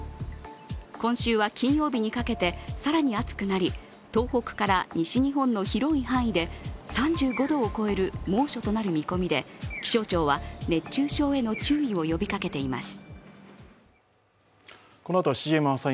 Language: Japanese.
今週は金曜日にかけて更に暑くなり、東北から西日本の広い範囲で３５度を超える猛暑となる見込みで気象庁は、熱中症への注意を呼びかけています。